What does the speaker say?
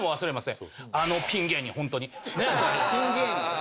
ピン芸人？